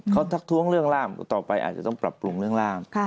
เขาทักท้วงเรื่องร่ามต่อไปอาจจะต้องปรับปรุงเรื่องร่าม